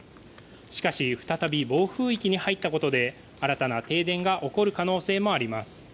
しかし、再び暴風域に入ったことで、新たな停電が起こる可能性もあります。